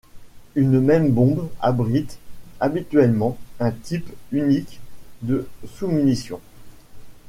Une même bombe abrite, habituellement, un type unique de sous-munitions.